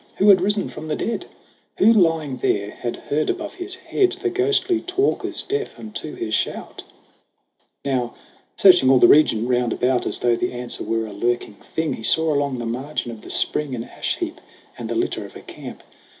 Who had risen from the dead ? Who, lying there, had heard above his head The ghostly talkers deaf unto his shout ? Now searching all the region round about, As though the answer were a lurking thing, He saw along the margin of the spring An ash heap and the litter of a camp.